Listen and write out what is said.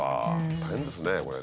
大変ですねこれね。